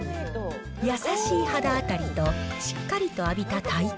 優しい肌当たりとしっかりと浴びた体感。